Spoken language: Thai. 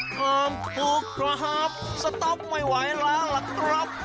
ของถูกครับสต๊อกไม่ไหวแล้วล่ะครับ